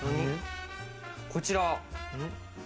こちら。